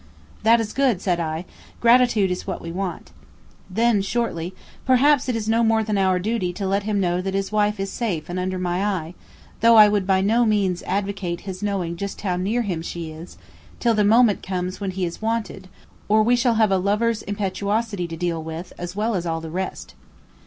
"That is good," said I," gratitude is what we want." Then shortly, "Perhaps it is no more than our duty to let him know that his wife is safe and under my eye; though I would by no means advocate his knowing just how near him she is, till the moment comes when he is wanted, or we shall have a lover's impetuosity to deal with as well as all the rest."